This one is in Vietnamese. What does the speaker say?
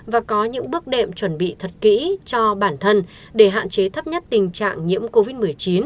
và có những bước đệm chuẩn bị thật kỹ cho bản thân để hạn chế thấp nhất tình trạng nhiễm covid một mươi chín